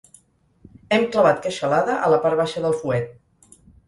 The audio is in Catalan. Hem clavat queixalada a la part baixa del fuet.